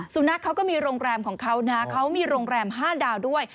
สุนัขเขาก็มีโรงแรมของเขานะเขามีโรงแรม๕ดาวด้วย